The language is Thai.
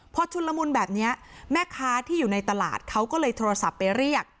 พอชุนละมุนแบบนี้แม่ค้าที่อยู่ในตลาดเขาก็เลยโทรศัพท์ไปเรียก